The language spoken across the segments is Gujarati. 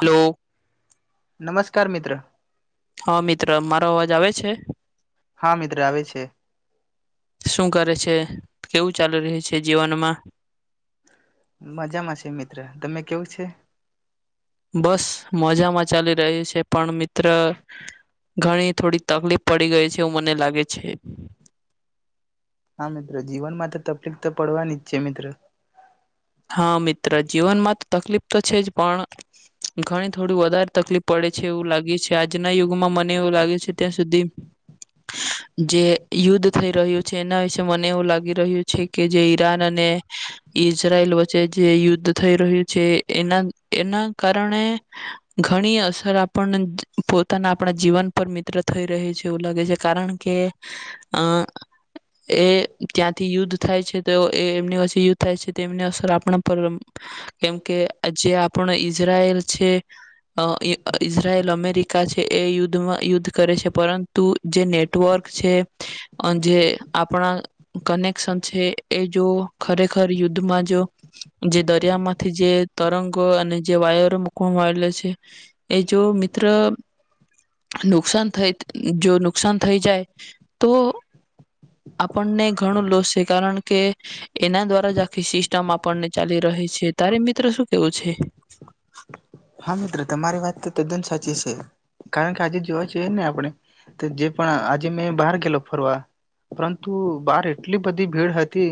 હલો. નમસ્કાર મિત્ર. હા મિત્ર મારો અવાજ આવે છે. હા મિત્ર આવે છે. શું કરે છે? કેવું ચાલુ રહે છે જીવનમાં મજામાં છે મિત્ર તમે કેવું છે? બસ મજામાં ચાલી રહ્યું છે પણ મિત્ર ઘણી થોડી તકલીફ પડી ગઈ છે એવું મને લાગે છે. હા મિત્રો જીવન માં તો તકલીફ તો પડવાની જ છે મિત્રો. હા મિત્ર જીવનમાં તો તકલીફ તો છે જ પણ ઘણી થોડું વધારે તકલીફ પડે છે એવું લાગે છે. આજના યુગમાં મને એવું લાગે છે ત્યાં સુધી જે યુદ્ધ થઈ રહ્યું છે એના વિશે મને એવું લાગી રહ્યું છે કે જે ઈરાન અને ઈજ થઈ રહ્યું છે એના એના કારણે ઘણી અસર આપણ પોતાના આપણા જીવન પર મિત્ર થઈ રહી છે એવું લાગે છે કારણ કે અ એ ત્યાંથી યુદ્ધ થાય છે તો એમની વચ્ચે યુદ્ધ થાય છે. તેમને અસર આપણા પર કેમકે જે આપણ ઈઝરાયલ છે અ એ ઈઝરાયલ અમેરિકા છે એ યુદ્ધમાં યુદ્ધ કરે છે પરંતુ જે નેટવર્ક છે જે અ આપણા કનેક્શન છે એ જો ખરેખર યુદ્ધ માં જો જે દરિયા માંથી જે તરંગ કો અને જે વાયરો મુકવામાં આવેલા છે એ જો મિત્ર નુકસાન થઈ જો નુકસાન થઈ જાય તો આપણને ઘણું લોસ છે કારણ કે એના દ્વારા જ આખી સિસ્ટમ આપણને ચાલી રહી છે. તારે મિત્ર શું કેવું છે? હા, મિત્ર તમારી વાત તો તદ્દન સાચી છે કારણ કે આજે જોવા જએ ને આપણે જે પણ આજે મેં બહાર ગેલો ફરવા પરંતુ બહાર એટલી બધી ભીડ હતી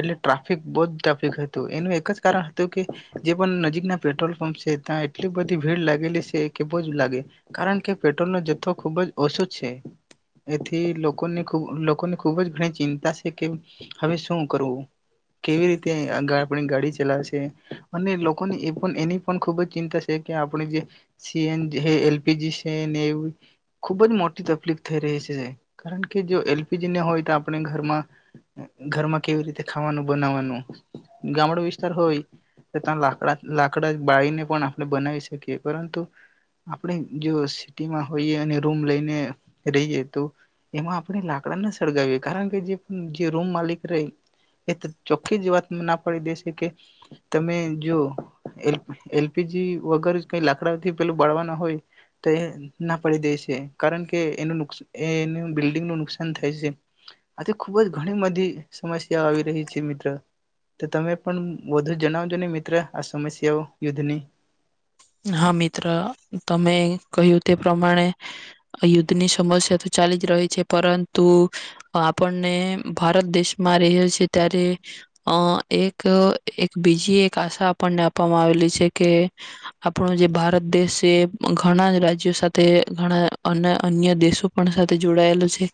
એટલે ટ્રાફિક બહ જ ટ્રાફિક હતું એનું એક જ કારણ હતું કે જે પણ નજીકના પેટ્રોલ પંપ છે ત્યા એટલી બધી ભીડ લાગેલી છે કે બહ જ લાગે કારણ કે પેટ્રોલનો જથ્થો ખૂબ જ ઓછો છે એથી લોકોની ખૂબ લોકોની ખૂબ જ ઘણી ચિંતા છે કે હવે શું કરવું કેવી રીતે આપણી ગા ગાડી ચલાવશે અને લોકોની એ પણ એની પણ ખૂબ જ ચિંતા છે કે આપણે જે C N L P G છે ને એવી ખુબ જ મોટી તકલીફ થઈ રહી છે કારણ કે જો એલ પી જી ને હોય તો આપણે ઘરમાં ઘરમાં કેવી રીતે ખાવાનું બનાવાનું ગામડા વિસ્તાર હોય તો ત્યાં લાકડા લાકડા બાળીને પણ આપણે બનાવી શકીએ પરંતુ આપણે જો સિટીમાં હોઈએ અને રૂમ લઈને રહીએ તો એમાં આપણે લાકડા ના સળગાવીએ કારણ કે જે રૂમ માલિક રેય એ ચોખ્ખી જ વાત ના પાડી દેશે કે તમે જો એ એલ પી જી વગર જ કઈ લાકડાથી પેલું બાળવાના હોય તો એ ના પાડી દે છે કારણ કે એનું એ એનું બિલ્ડિંગનું નુકસાન થાય છે આથી ખૂબ જ ઘણી બધી સમસ્યાઓ આવી રહી છે મિત્ર. તો તમે પણ વધુ જણાવજો ને મિત્ર આ સમસ્યાઓ યુદ્ધની હા, મિત્ર તમે કહ્યું તે પ્રમાણે યુદ્ધની સમસ્યા તો ચાલી જ રહી છે પરંતુ અ આપણને ભારત દેશમાં રહેલ છે ત્યારે અ એક એક બીજી એક આશા આપણને આપવામાં આવેલી છે કે આપણો જે ભારત દેશ છે ઘણા રાજ્યો સાથે ઘણા અન અન્ય દેશો પણ સાથે જોડાયેલો છે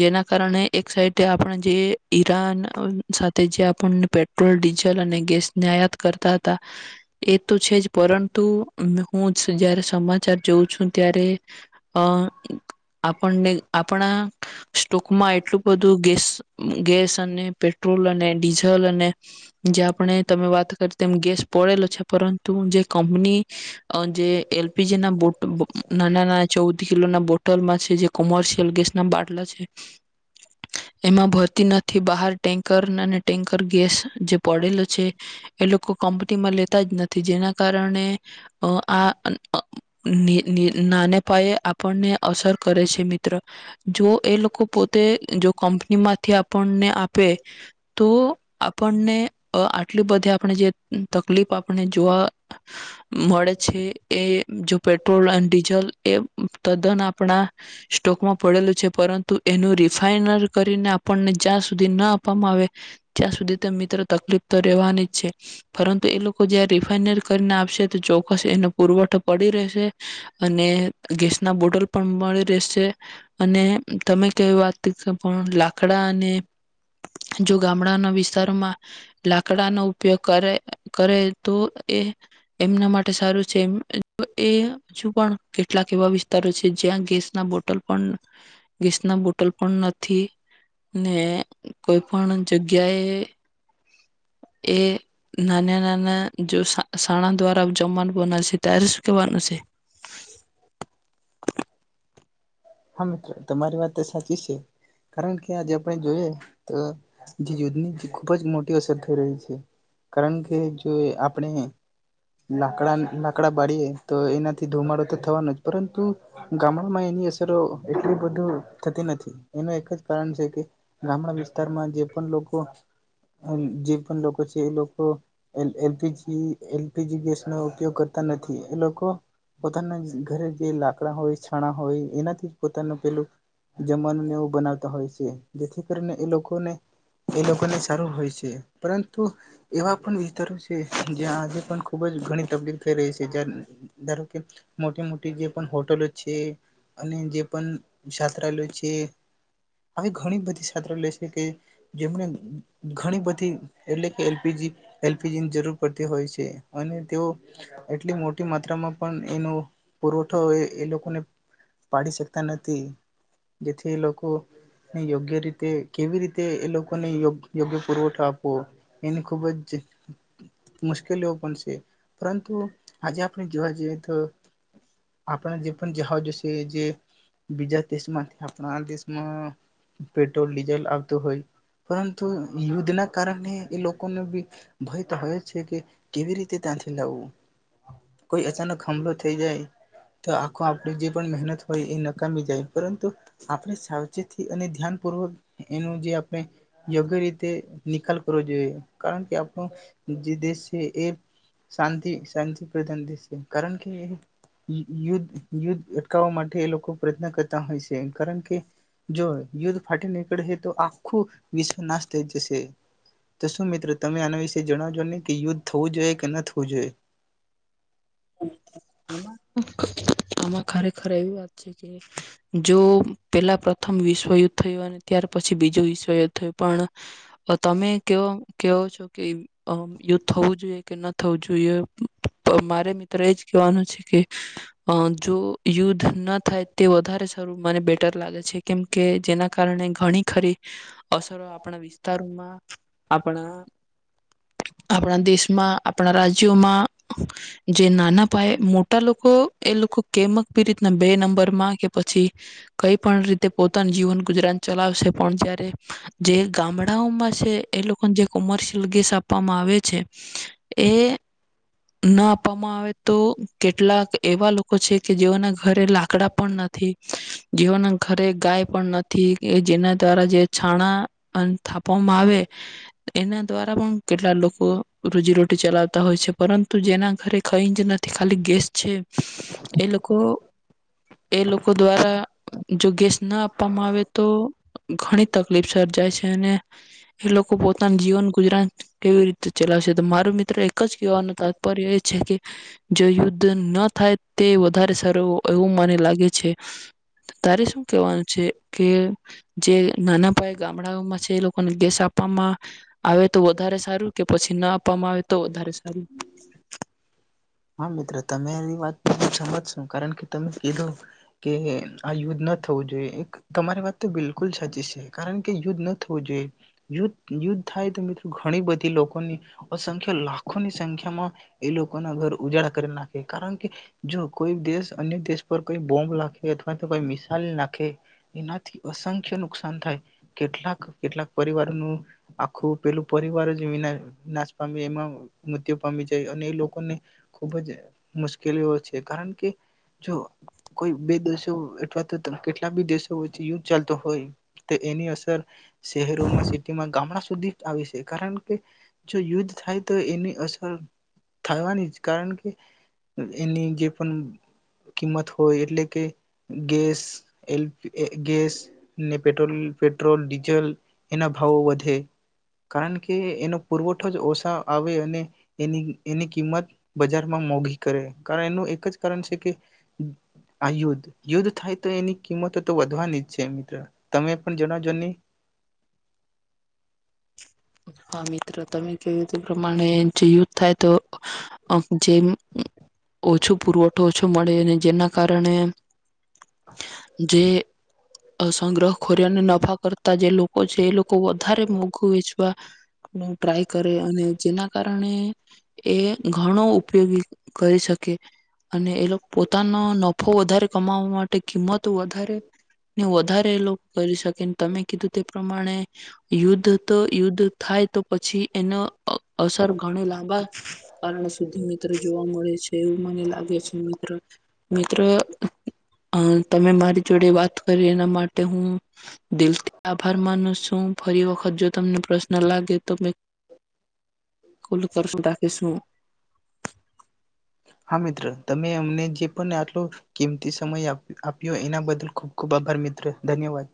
જેના કારણે એક સાઈટે આપણે જે ઈરાન સાથે જે આપણ પેટ્રોલ ડીઝલ અને ગેસને આયાત કરતા હતા એ તો છે જ પરન તું હું જયારે સમાચાર જોઉં છું ત્યારે અ આપણને આપણા સ્ટોકમાં એટલું બધું ગેસ ગેસ અને પેટ્રોલ અને ડીઝલ અને જે આપણે તમે વાત કરી તેમ ગેસ પડેલો છે પરંતુ જે કંપની જે અ એલ પી જી ના બોટ બ નાના નાના ચૌદ કિલો ના બોટ ટોલ માં છે જે કોમર્શિય જલ ગેસ ના બાટલા છે. એમાં ભરતી નથી બહાર ટેન્કર અને ટેન્કર ગેસ જે પડેલો છે એ લોકો કંપનીમાં લેતા જ નથી જેના [inaudible] નાને પાયે આપણને અસર કરે છે. મિત્ર જો એ લોકો પોતે જો કંપનીમાંથી આપણને આપે તો આપ આપણને અ આટલી બધી આપણે જે તકલીફ આપને જોવા મળે છે એ જો પેટ્રોલ અને ડીઝલ એ તદ્દન આપણા સ્ટોકમાં પડેલું છે પરંતુ એનું ફઈનર કરીને આપણને જ્યાં સુધી ના આપવામાં આવે ત્યાં સુધી તે મિત્રો તકલીફ તો રહેવાની જ છે પરંતુ એ લોકો જ રિફાઈનર કરીને આપશે તો ચોક્કસ એનો પુરવઠો પડી રહેશે અને ગેસના બોટલ પણ મળી રહેશે. અને તમે કેવી વાત કે પણ લાકડા અને જો ગામડાના વિસ્તારમાં લાકડાનો ઉપયોગ કરે કરે તો એ એમના માટે સારું છે એ એ હજુ પણ કેટલાક એવા વિસ્તારો છે જ્યાં ગેસના બોટ બટલ પણ ગેસ ના બોટલ પણ નથી ને કોઈ પણ જગ્યાએ એ નાના નાના જો શણા દ્વારા જમવાનું બના છે ત્યારે શું કેવાનું છે. હા મ્ર તમારી વાત તો સાચી છે કારણ કે આજે આપણે જોઈએ તો જે ુદધની ખુબ જ મોટી અસર થઈ રહી છે કારણ કે જો આપણે લાકડા લાકડા બાળએ તો એનાથી ધુમાડો તો થવાનો જ પરંતુ ગામડામાં એનીર એટલી બધું થતી નથી એનું એક જ કારણ છે કે ગામડા વિસ્તારમાં જે પણ લોકો જે પણ લોકો છે એ લોકોજી એલપીજી ગેસનો ઉપયોગ કરતા નથી એ લોકો પોતાના ઘરે જે લાકડા હોય છણા હોય એના પોનું પેલું જમાનુંને એવું બનાવતા હોય છે જેથી કરીને એ લોકોને એ લોકોને સારું હોય છે પરંતુ એવા પણ વિસ્તારો છે જ્યાં આજે પણ ખુબ જ ઘણી તકલીફ થઈ રહી છે ધારો કે મોટી મોટી જે પણ હોટલો છે. જે છાત્રાલય છે આવી ઘણી બધી છાત્રાલય છે કે જેમને ઘણી બધી એટલે કે એીજી એલપીજીની જરૂર પડતી હોય છે અને તેઓ એટલી મોટી માત્રામાં પણ એનો પુરવઠો એ લોકોને પાડી શકતા નથી જેથી એ લોકોને યોગ્ય રીતે કેવી રીતે એ લોકોનેયો યોગ્ય પુરવઠો આપવો એની ખુબ જ મુશ્કેલીઓ પણ છે પરંતુ આજે આપણે જોવા જઈએ તો આપણે જે પણ જવા જોશે. કે જે બીજા દેશમાંથી આપણા દેશમાં પેટ્રોલ ડીઝલ આવતું હોય. પરંતુ યુદ્ધ ના કારણે એ લોકોનો બી ભય તો હોવે છે કે કેવી રીતે ત્યાંથી લાવવું કોઈ અચાનક હમલો થઈ જાય તો આખો આપણે જે પણ મહેનત હોય એ નકામી જાય પરંતુ આપણે સાવચેતી અને ધ્યાનપૂર્વક એનું જે આપણે યોગ્ય રીતે નિકાલ કરવો જોઈએ. કારણ કે આપો જે દેશ એ શ શાંતિ પ્રધાન દેશ છે કારણ કેયુદ્ધ યુદ્ધ ચકાવવા માટે એ લોકો પ્રયત્ન કરતા હોય છે કારણ કે જો યુદ્ધ ફાટી નીકળશે તો આખું વિશ્વ નાશ થઈ જશે તો શું મિત્રો તમે આના વિશે જણાવજો નહી કે યુદ્ધ થવું જોઈએ કે ન થવું જોઈએ. આમાં ખરેખર એવી વાત છે કે જો પેલા પ્રથમ વિશ્વ યુદ્ધ થયું અને ત્યાર પછી બીજું વિશ્વયુદ્ધ થયું પણ તમે કેવો છો કે યુદ્ધ થવું જોઈએ કે ન થવું જોઈએ મારે મ્ર એ જ કવાનું છે કે જો યુદ્ધ ન થાય તે વધારે સારું મને બેટર લાગે છે કેમ કે જેના કારણે ઘણી ખરી અસરો આપણા વિસ્તારોમાં આપણા આપણા દેશમાં આપણા રાજ [inaudible] જે નાના પાયે મોટા લોકો એ લોકો કેમકી રીતના બે નંબરમાં કે પછી કઈ પણ રીતે પોતાનું જીવન ગુજરાન ચલાવશે પણ જયારે જે ગામડાઓમાં છે એ લોકોને જે કોમર્શિયલ ગેસ આપવામાં આવે છે એ ના આમાં આવે તો કેટલાક એવા લોકો છે કે જેઓના ઘરે લાકડા પણ નથી જેઓના ઘરે ગાય પણ નથી કે જેના દ્વારા જે છાણા અને થાં આપવામાં આવે એના દ્વારા પણ કેટલા લોકો રોજીરોટી ચલાવતા હોયે છે પરંતુ જેના ઘરે કઈ જ નથી ખાલી ગેસ છે એ લોકો એ લોકો દ્વારા જો ગેસ ના આપવામાં આવે તો ઘણી તકલીફ સર્જાય છે અને એ લોકો પોતાનું જીવન ગુજરાન કેવી રીતે ચલાવશે તો મારું મિત્ર એક જ કહેવાનું તાત્પર્ય એજ જ કે જો યુદ્ધ ન થાય તે વધારે સારું એવું મને લાગે છે તારે શું કેવાનું છે કે જે નાના પાયે ગામડાઓમાં છે એ લોકોને ગેસ આપવામાં આવે તો વધારે સારું કે પછી ના આપવામાં આવે તો વધારે સારું હા મિત્ર તમેરી વાત સમજશો કારણ કે તમે કીધું કે આ યુદ્ધ ના થવું જોઈએ એક તમારી વાત તો બિલકુલ સાચી છે કારણ કે યુદ્ધ ન થવું જોઈએ યુદ્ધ યુદ્ધ થાય તો મિત્રો ઘણી બધી લોકોની અસંખ્યા લાખોની સંખ્યામાં એ લોકોના ઘર ઉજાળ કરી નાખે કારણ કે જો કોઈ દેશ અન્ય દેશ પાર કોઈ બૉમ્બ નાંખે અથવા કોઈ મિસાઈલ નાખે એ ખુબ જ મુશ્કેલીઓ છે કારણ કે જો કોઈ બે દેશો અથવા તો કેટલા બી દેશો વચ્ચે યુદ્ધ ચાલતો હોય તો એની અસર શહેરોમાં સિટીમાં ગામડા સુધી આવી છે કારણ કે જો યુદ્ધ થાય તો એની અસર થવાની જ કારણ કે એની જે પણ કિંમત હોય એટલે કે ગેસ એલ ગેસ નેે પેટ્રો પેટ્રોલ ડીઝલ એના ભાવ વધે કારણ કે એનો પુરવઠો જ ઓશા આવે અને એની એની કિંમત બજારમાં મોઘી કરે કારણ એનું એક જ કારણ છે કે આ યુદ્ધ યુદ્ધ થાય તો એની કિંમતો તો વધવાની જ છે મિત્ર તમે પણ જણાવજો ની હા મિત્ર તમે કેું તે પ્રમાણે જે યુદ્ધ થાય તો અ જેમ ઓછો પુરવઠો ઓછું મળે અને જેના કારણે જે અ સંગ્રહ ખોર્યાને નફા કરતા જે લોકો છે એ લોકો વધારે મુ [inaudible] ટ્રાય કરે અને જેના કારણે એ ઘણો ઉપયોગી કરી શકે. અને એ લોકો પોતાનો નફો વધારે કમાવવા માટે કિંમત વધારે ને વધારે એ લોકો કરી શકે તમે કીધું તે પ્રમાણે યુદ્ધ યુદ્ધ થાય તો પછી એનો અસર ઘણો લાંબા કારણ સુધી મિત્ર જોવા મળે છે એવું મને લાગે છે મિત્ર મિત્ર તમે મારી જોડે વાત કરી એના માટે હું દિલથી આભાર માનું છું ફરી વખત જો તમને પ્રશ્ન લાગે તો મેલ રાખીશું. હા મિત્ર તમે અમને જે પણ આટલો કિંમતી સમય આપ્યો એના બદલ ખૂબ ખૂબ આભાર મિત્ર ધન્યવાદ.